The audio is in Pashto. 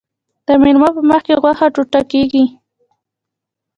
د میلمه په مخکې غوښه ټوټه کیږي.